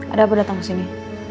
ada apa datang kesini